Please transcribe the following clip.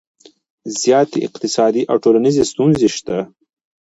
زیاتې اقتصادي او ټولنیزې ستونزې شته